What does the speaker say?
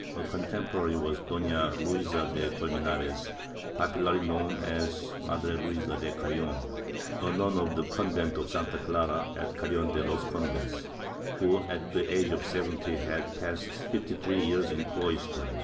A contemporary was Dona Luisa de Colmenares, popularly known as Madre Luisa de Carrion, a nun of the convent of Santa Clara, at Carrion de los Condes, who, at the age of seventy, had passed fifty three years in a cloister.